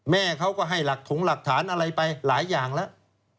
แม่เขาก็ให้หลักถงหลักฐานอะไรไปหลายอย่างแล้ว